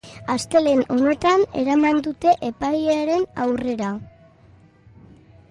Astelehen honetan eraman dute epailearen aurrera.